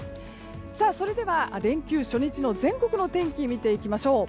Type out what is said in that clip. それでは連休初日の全国の天気を見ていきましょう。